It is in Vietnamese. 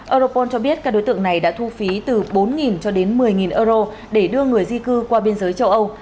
europol cho biết các đối tượng này đã thu phí từ bốn cho đến một mươi euro để đưa người di cư qua biên giới châu âu